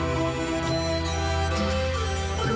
โอ้โหโอ้โหโอ้โห